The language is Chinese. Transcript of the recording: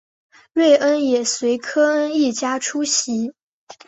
瑞恩也随科恩一家出席。